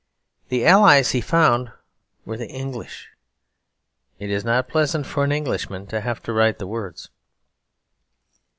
The allies he found were the English. It is not pleasant for an Englishman to have to write the words.